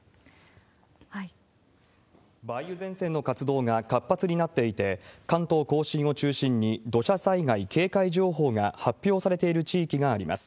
梅雨前線の活動が活発になっていて、関東甲信を中心に、土砂災害警戒情報が発表されている地域があります。